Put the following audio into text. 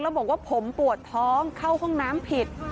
แล้วบอกว่าผมปวดท้องเข้าห้องน้ำผิด